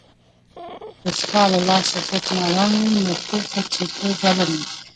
که ستا له لاسه څوک ناارام وي، نو پوه سه چې ته ظالم یې